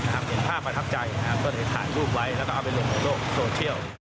เห็นภาพประทับใจก็เลยถ่ายรูปไว้แล้วก็เอาไปลงในโลกโซเชียล